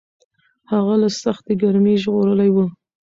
هغه له سختې ګرمۍ ژغورلی و.